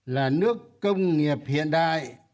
là nước công nghiệp hiện đại